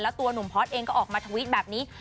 ตัวหนุ่มพอร์ตเองก็ออกมาทวิตแบบนี้